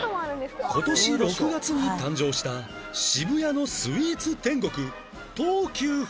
今年６月に誕生した渋谷のスイーツ天国東急フードショー